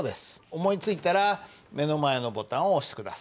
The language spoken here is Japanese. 思いついたら目の前のボタンを押して下さい。